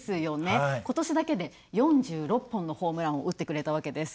ことしだけで４６本のホームランを打ってくれたわけです。